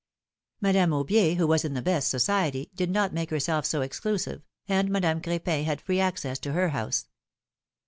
Madame Aubier, who was in the best society, did not make herself so exclusive, and Madame Crepin had free access to her house.